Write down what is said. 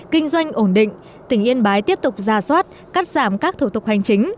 kinh doanh ổn định tỉnh yên bái tiếp tục ra soát cắt giảm các thủ tục hành chính